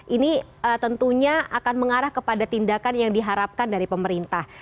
ini tentunya akan mengarah kepada tindakan yang diharapkan dari pemerintah